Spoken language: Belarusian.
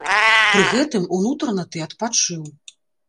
Пры гэтым, унутрана ты адпачыў.